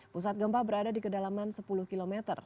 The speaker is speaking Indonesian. pusat gempa berada di kedalaman sepuluh km